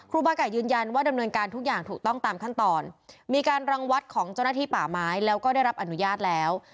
บาไก่ยืนยันว่าดำเนินการทุกอย่างถูกต้องตามขั้นตอนมีการรังวัดของเจ้าหน้าที่ป่าไม้แล้วก็ได้รับอนุญาตแล้ว